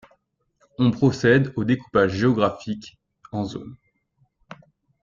On procède au découpage géographique en zones.